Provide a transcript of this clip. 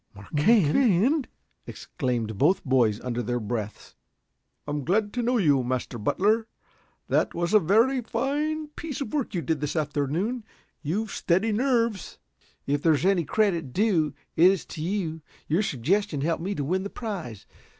"Marquand!" exclaimed both boys under their breaths. "I am glad to know you, Master Butler. That was a very fine piece of work you did this afternoon. You've steady nerves." "If there's any credit due it is to you. Your suggestion helped me to win the prize.